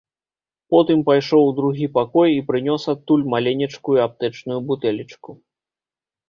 Потым пайшоў у другі пакой і прынёс адтуль маленечкую аптэчную бутэлечку.